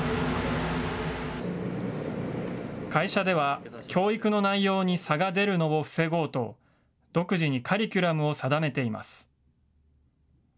会社では、教育の内容に差が出るのを防ごうと、独自にカリキュラムを定めています。